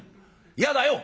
嫌だよ」。